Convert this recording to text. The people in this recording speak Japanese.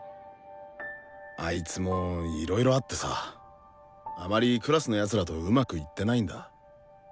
あいつもいろいろあってさあまりクラスの奴らとうまくいってないんだ。